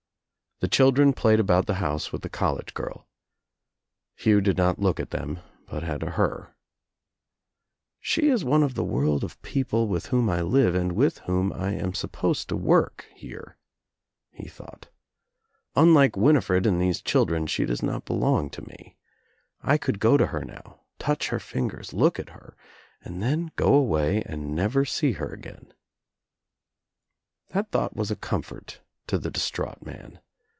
The children played about the house with the college girl. Hugh did not look at Jiem but at her. "She is one of the world of people 126 THE TRIUMPH OF THE EGG with whom I live and with whom I am supposed to work here," he thought. "Unlike Winifred and these children she does not belong to me. I could go to her now, touch her fingers, look at her and then go away and never see her again." That thought was a comfort to the distraught man.